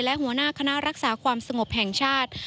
และหัวหน้าคณะรักษาความสงบแห่งชาติ